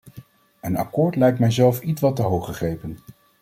Een akkoord lijkt mijzelf ietwat te hoog gegrepen.